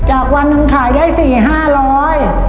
จากวันนึงขายได้สี่ห้าร้อย